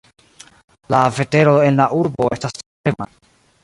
La vetero en la urbo estas tre varma.